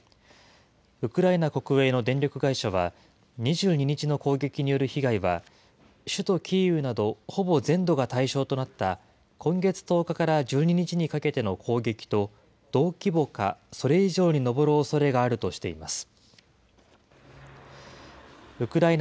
ウクライナ国営の電力会社は、２２日の攻撃による被害は、首都キーウなどほぼ全土が対象となった今月１０日から１２日にかけての攻撃と同規模か、それ以上に上る恐れがあるとしています。